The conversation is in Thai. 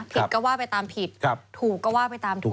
ผิดก็ว่าไปตามผิดถูกก็ว่าไปตามถูก